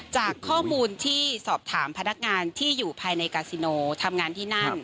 จากข้อมูลที่สอบถามพนักงานที่อยู่ภายในกาซิโนทำงานที่นั่น